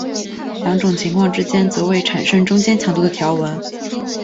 两种情况之间则会产生中间强度的条纹。